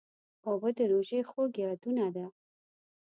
اوبه د روژې خوږ یادونه ده.